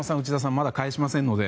まだ帰しませんので。